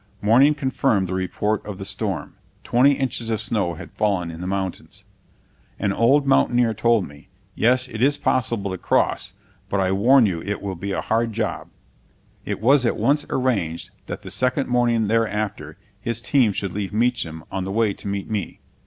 Morning confirmed the report of the storm; twenty inches of snow had fallen in the mountains. An old mountaineer told me, "Yes, it is possible to cross, but I warn you it will be a hard job." It was at once arranged that the second morning thereafter his team should leave Meacham on the way to meet me.